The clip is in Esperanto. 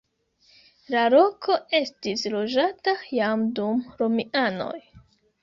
La loko estis loĝata jam dum romianoj.